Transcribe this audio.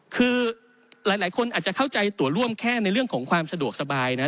คือหลายคนอาจจะเข้าใจตัวร่วมแค่ในเรื่องของความสะดวกสบายนะ